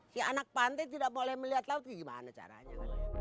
si anak pantai tidak boleh melihat laut gimana caranya